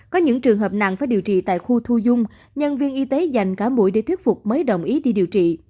có những trường hợp nặng phải điều trị tại khu thu dung nhân viên y tế dành cả mũi để thuyết phục mới đồng ý đi điều trị